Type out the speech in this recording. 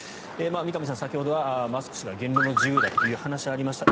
三上さん、先ほどはマスク氏が言論の自由という話がありました。